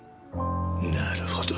なるほど。